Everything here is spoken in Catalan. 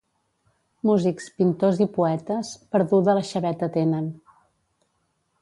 Músics, pintors i poetes, perduda la xaveta tenen.